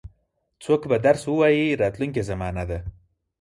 څوک به درس ووایي راتلونکې زمانه ده.